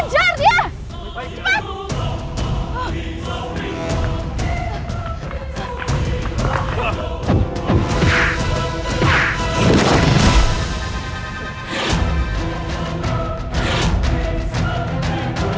sekarang hentikan dia